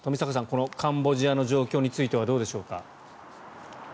このカンボジアの状況についてはどうでしょうか。